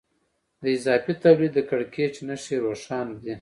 د اضافي تولید د کړکېچ نښې روښانه دي